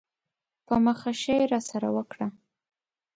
په مخه ښې یې راسره وکړه.